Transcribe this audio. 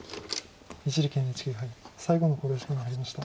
一力ＮＨＫ杯最後の考慮時間に入りました。